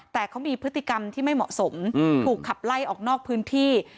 แต่เขามีพฤติกรรมที่ไม่เหมาะสมถูกขับไล่ออกนอกพื้นที่